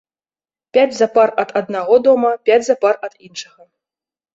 Пяць запар ад аднаго дома, пяць запар ад іншага.